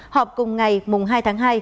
họp cùng ngày mùng hai tháng hai